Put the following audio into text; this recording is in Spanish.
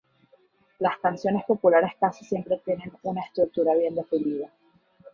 Las canciones populares casi siempre tienen una estructura bien definida.